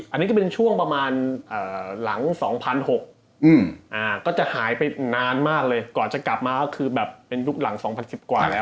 อันนี้ก็เป็นช่วงประมาณหลัง๒๖๐๐ก็จะหายไปนานมากเลยก่อนจะกลับมาก็คือแบบเป็นยุคหลัง๒๐๑๐กว่าแล้ว